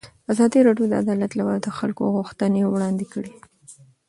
ازادي راډیو د عدالت لپاره د خلکو غوښتنې وړاندې کړي.